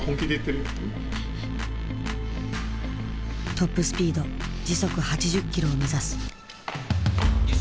トップスピード時速８０キロを目指す。